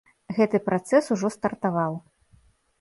Гэты працэс ужо стартаваў.